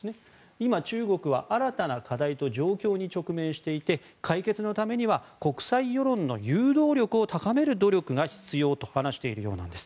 今、中国は新たな課題と直面していて解決のためには国際世論の誘導力を高める努力が必要と話しています。